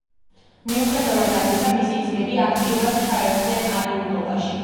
მიუხედავად ამისა, მისი ძმები აქტიურად ჩაერთნენ არეულობაში.